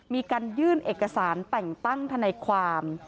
มีการยื่นเอกสารแต่งตั้งทนายความ